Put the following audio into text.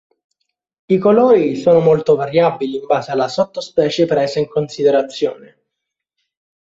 I colori sono molto variabili in base alla sottospecie presa in considerazione.